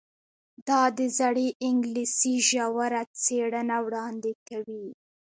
دا د زړې انګلیسي ژوره څیړنه وړاندې کوي.